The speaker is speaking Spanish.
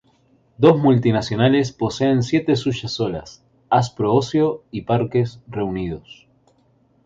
Dos multinacionales poseen siete suyas solas, Aspro-Ocio y Parques Reunidos.